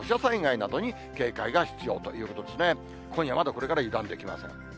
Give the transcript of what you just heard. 今夜まだこれから油断できません。